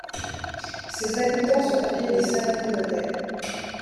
Ses habitants sont appelés les Salle-Prunetais.